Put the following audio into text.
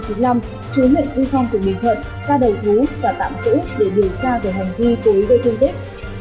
sinh năm một nghìn chín trăm chín mươi năm chú huyện huy phong tp hcm ra đầu thú và tạm xử để điều tra về hành vi tối gây thương tích